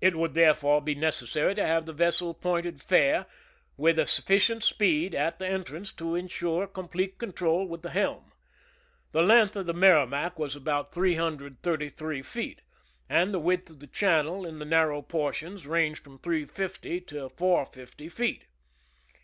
It would there fore be necessary to have the vessel pointed fair, with sufficient speed at the entrance to insure com plete control with the helm. The length of the Merrimac was about 333 feet, and the width of the channel in the narrow portions ranged from 350 to 450 feet.